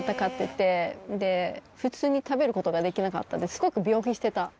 すごく病気してた。